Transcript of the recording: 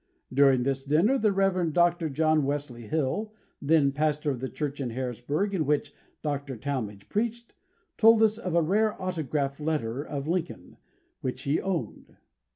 During this dinner, the Rev. Dr. John Wesley Hill, then pastor of the church in Harrisburg in which Dr. Talmage preached, told us of a rare autograph letter of Lincoln, which he owned.